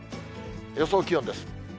予想気温です。